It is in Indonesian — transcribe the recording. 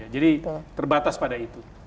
jadi terbatas pada itu